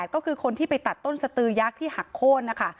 ก็คือคนที่ไปตัดต้นสตือยักษ์ที่หักโค้นนะคะ